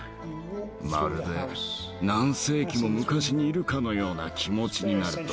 まるで何世紀も昔にいるかのような気持ちになると評判なんだ。